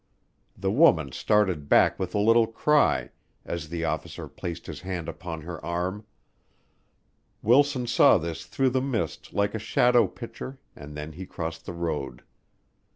The woman started back with a little cry as the officer placed his hand upon her arm. Wilson saw this through the mist like a shadow picture and then he crossed the road.